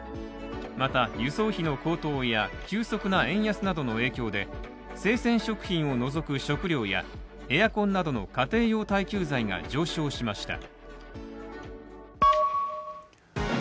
また、輸送費の高騰や急速な円安などの影響で生鮮食品を除く食料やエアコンなどの家庭用耐久財が上昇しました。